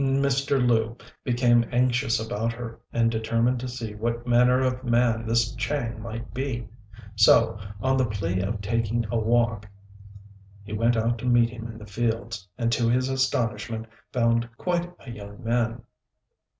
Mr. Lu now became anxious about her, and determined to see what manner of man this Chang might be; so, on the plea of taking a walk, he went out to meet him in the fields, and to his astonishment found quite a young man.